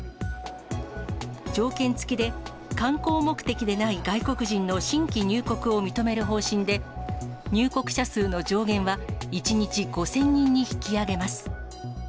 条件付きで、観光目的でない外国人の新規入国を認める方針で、入国者数の上限は１日５０００人に引き上げます。